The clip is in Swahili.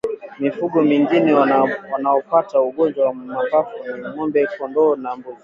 Mifugo mingine wanaopata ugonjwa wa mapafu ni ngombe kndoo na mbuzi